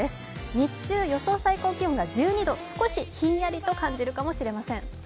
日中、予想最高気温が１２度、少しひんやりと感じるかもしれません。